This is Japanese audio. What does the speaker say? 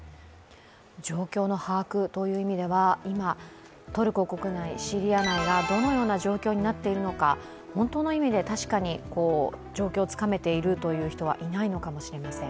状況の把握という意味では今、トルコ国内、シリア内はどのような状況になっているのか、本当の意味で、確かに状況をつかめている人はいないのかもしれません。